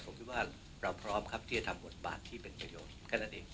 ผมคิดว่าเราพร้อมครับที่จะทำหมดบาทที่เป็นประโยชน์